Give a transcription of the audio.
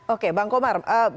oke bang komar